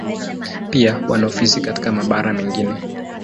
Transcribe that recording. Pia wana ofisi katika mabara mengine.